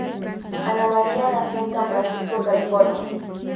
Anna María nació en San Francisco, California.